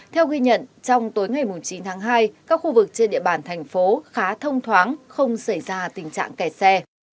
theo ghi nhận trong tối ngày chín tháng hai các khu vực trên địa bàn thành phố khá thông thoáng không xảy ra tình trạng kẹt xe